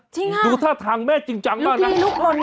จริงหรอรู้จักทางแม่จริงจังไม่ว่ากันฮะ